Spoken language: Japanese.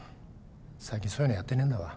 最近そういうのやってねぇんだわ。